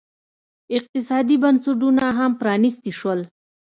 اقتصادي بنسټونه هم پرانیستي شول.